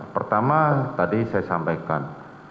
pertama tadi saya sampaikan